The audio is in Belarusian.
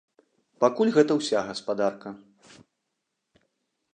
Пакуль гэта ўся гаспадарка.